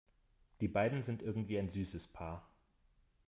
Die beiden sind irgendwie ein süßes Paar.